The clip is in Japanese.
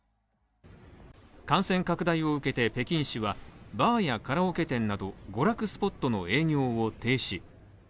感染拡大を受けて、北京市はバーやカラオケ店など娯楽スポットの営業を停止。